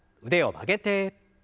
腕を曲げて。